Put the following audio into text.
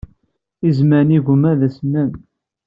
Iẓem-a n yigumma d asemmam.